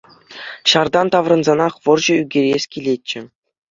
Ҫартан таврӑнсанах вӑрҫӑ ӳкерес килетчӗ.